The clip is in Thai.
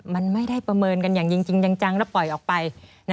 มันไม่ได้ประเมินกันอย่างจริงจังแล้วปล่อยออกไป